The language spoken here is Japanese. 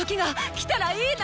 来たらいいな！